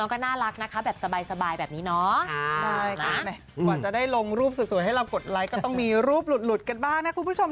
กว่าจะได้ลงรูปสวยให้เรากดไลค์ก็ต้องมีรูปหลุดกันบ้างนะคุณผู้ชม